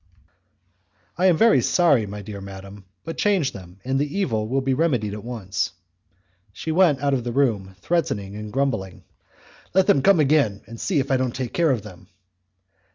"I am very sorry, my dear madam, but change them, and the evil will be remedied at once." She went out of the room, threatening and grumbling, "Let them come again, and see if I don't take care of them!"